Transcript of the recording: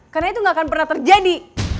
karena itu gak akan pernah terjadi